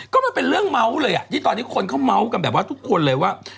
ก็มันเป็นเรื่องเมาส์เลยอ่ะที่ตอนนี้คนเขาเมาส์กันแบบว่าทุกคนเลยว่า